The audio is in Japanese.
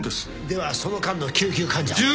ではその間の救急患者は。